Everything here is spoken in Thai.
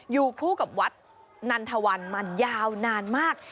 อยู่คู่กับวัดนันทวันมายาวนานมาก